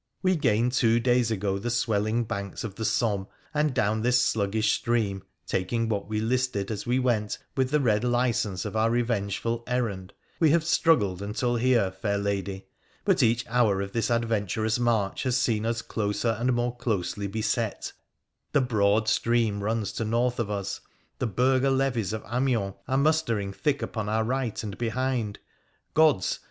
We gained two days ago the swelling banks of the Somme, and down this sluggish stream, taking what we listed as we went with the red license of our revengeful errand, we have struggled until here, fair lady. But each hour of this adventurous march has seen us closer and more closely beset. The broad stream runs to north of us, the burgher levies of Amiens are mustering thick upon our right and behind, Gods !